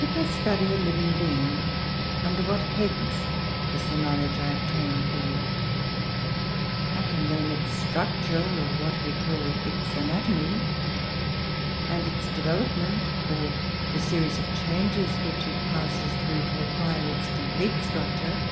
If I study a living being, under what heads does the knowledge I obtain fall? I can learn its structure, or what we call its ANATOMY; and its DEVELOPMENT, or the series of changes which it passes through to acquire its complete structure.